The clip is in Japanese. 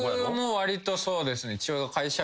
わりとそうですね。